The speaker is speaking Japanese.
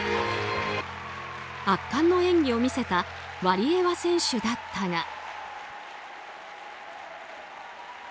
圧巻の演技を見せたワリエワ選手だったが。